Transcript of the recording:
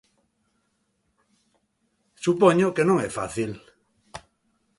Supoño que non é fácil.